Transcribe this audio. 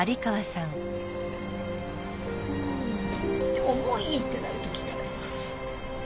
でも「もういい！」ってなる時があります。